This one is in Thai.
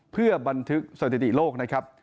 เพื่อบันทึกสถิติโลกนะครับ